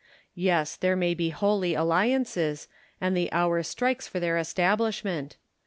Yes, there may be holy alliances ; and the hour strikes for their establishment.